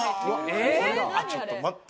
ちょっと待って！